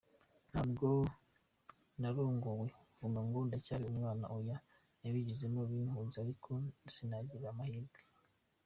Ntabwo narongowe mvuga ngo ndacyari umwana oya nabigiyemo mbikunze ariko sinagira amahirwe.